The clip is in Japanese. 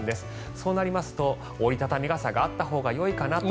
そうなりますと折り畳み傘があったほうがよいかなと。